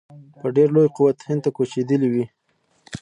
په ډېر لوی قوت هند ته کوچېدلي وي.